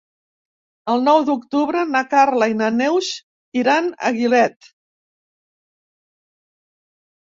El nou d'octubre na Carla i na Neus iran a Gilet.